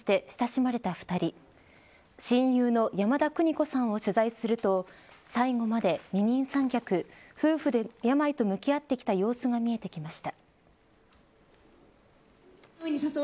親友の山田邦子さんを取材すると最期まで二人三脚夫婦で病と向き合ってきた様子が見えてきました。